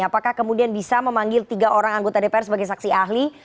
apakah kemudian bisa memanggil tiga orang anggota dpr sebagai saksi ahli